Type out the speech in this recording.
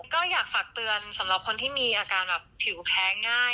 ก็อยากฝากเตือนสำหรับคนที่มีอาการแบบผิวแพ้ง่าย